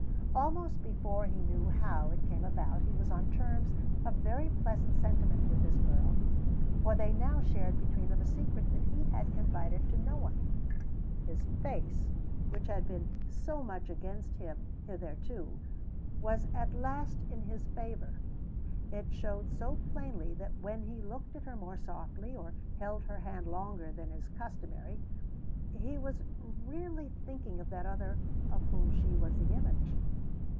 Almost before he knew how it came about, he was on terms of very pleasant sentiment with this girl, for they now shared between them a secret that he had confided to no other. His face, which had been so much against him hitherto, was at last in his favour; it showed so plainly that when he looked at her more softly or held her hand longer than is customary, he was really thinking of that other of whom she was the image.